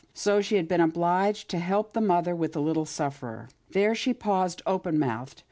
So she had been obliged to help the mother with the little sufferer. There she paused open mouthed.